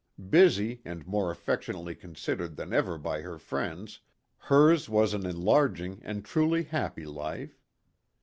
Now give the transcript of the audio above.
Busy, and more affectionately considered than ever by her friends, hers was an enlarging and truly happy life.